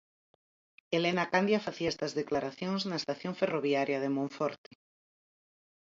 Elena Candia facía estas declaracións na estación ferroviaria de Monforte.